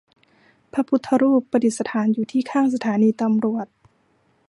พระพุทธรูปประดิษฐานอยู่ที่ข้างสถานีตำรวจ